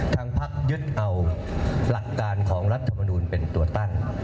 ทางพักยึดเอาหลักการของรัฐมนูลเป็นตัวตั้ง